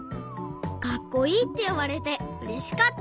かっこいいっていわれてうれしかった。